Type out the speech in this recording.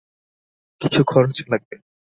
কিছু খরচ লাগবে।